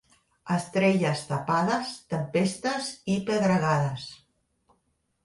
Estrelles tapades, tempestes i pedregades.